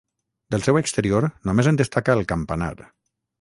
Del seu exterior només en destaca el campanar.